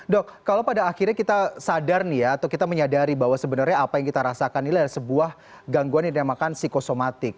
dok kalau pada akhirnya kita sadar nih ya atau kita menyadari bahwa sebenarnya apa yang kita rasakan ini adalah sebuah gangguan yang dinamakan psikosomatik